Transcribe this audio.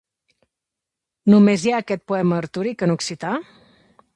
Només hi ha aquest poema artúric en occità?